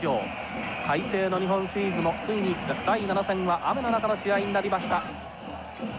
快晴の日本シリーズもついに第７戦は雨の中の試合になりました。